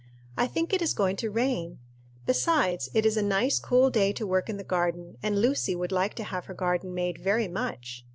I think it is going to rain. Besides, it is a nice cool day to work in the garden, and Lucy would like to have her garden made very much.